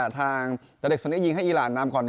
ทางเด็กติซะนี้ยิงให้อีหลานนำก่อน๑๐